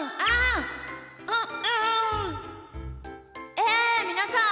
えみなさん